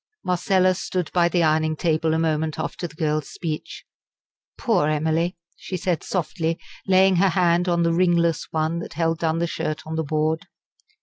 Marcella stood by the ironing table a moment after the girl's speech. "Poor Emily!" she said softly, laying her hand on the ringless one that held down the shirt on the board.